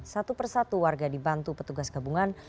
satu persatu warga dibantu petugas gabungan